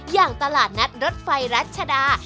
อย่างตลาดนัดรถไฟรัชดา